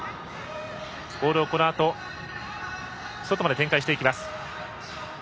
ボールをこのあと外まで展開していきます。